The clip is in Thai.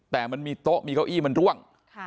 แต่มันมีโต๊ะมีเก้าอี้มันร่วง